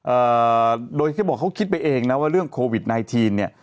เอ่อโดยแค่บอกเขาคิดไปเองนะว่าเรื่องโควิด๑๙เนี่ย